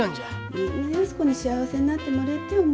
みんな安子に幸せになってもれえてえ思